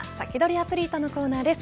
アツリートのコーナーです。